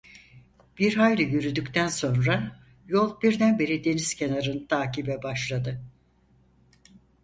Bir hayli yürüdükten sonra yol birdenbire deniz kenarını takibe başladı.